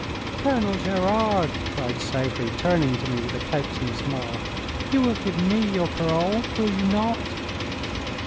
"Colonel Gerard," cried Sophie, turning to me with a coaxing smile, "you will give me your parole, will you not?"